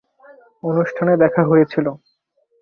অনুষ্ঠানে দেখা হয়েছিল।